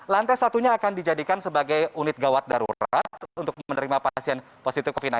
lantai satunya akan dijadikan sebagai unit gawat darurat untuk menerima pasien positif covid sembilan belas